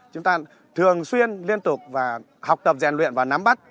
chúng ta thường xuyên liên tục và học tập rèn luyện và nắm bắt